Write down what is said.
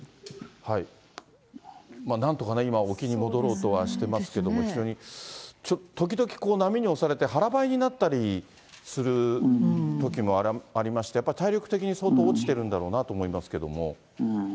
なんとかね、今、沖に戻ろうとはしていますけれども、非常に、時々こう、波に押されて、腹ばいになったりするときもありまして、やっぱり体力的に相当、落ちてるんだろうなと思いますけど。